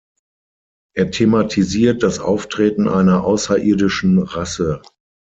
Er thematisiert das Auftreten einer außerirdischen Rasse.